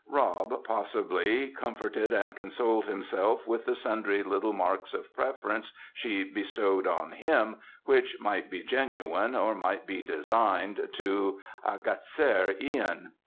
Rob, possibly, comforted and consoled himself with the sundry little marks of preference she bestowed on him, which might be genuine, or might be designed to agacer Ihan.